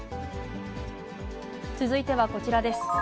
続いてはこちらです。